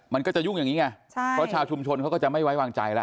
มันก็จะยุ่งอย่างนี้ไงใช่เพราะชาวชุมชนเขาก็จะไม่ไว้วางใจแล้ว